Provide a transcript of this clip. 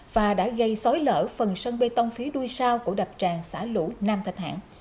và đã gây sói lở phần sân bê tông phía đuôi sao của đạp tràng xã lũ nam thạch hãng